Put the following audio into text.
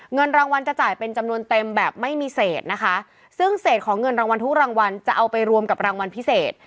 เงินรางวัลจะจ่ายเป็นจำนวนเต็มแบบไม่มีเศษนะคะซึ่งเศษของเงินรางวัลทุกรางวัลจะเอาไปรวมกับรางวัลพิเศษ